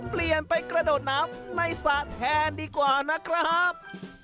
เปลี่ยนไปกระโดดน้ำในสระแทนดีกว่านะครับ